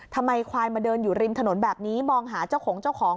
ทำไมควายมาเดินอยู่ริมถนนแบบนี้มองหาเจ้าของเจ้าของ